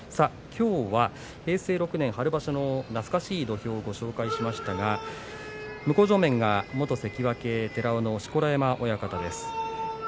きょうは平成６年春場所の懐かしい土俵をご紹介しましたが向正面が元関脇寺尾の錣山親方です。